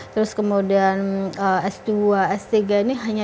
terus kemudian s dua s tiga ini hanya